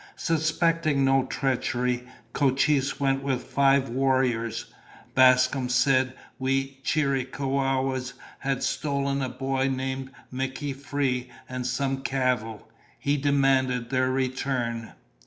Suspecting no treachery, Cochise went with five warriors. Bascom said we Chiricahuas had stolen a boy named Mickey Free and some cattle. He demanded their return."